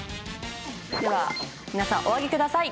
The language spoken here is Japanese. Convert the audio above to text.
では皆さんお上げください。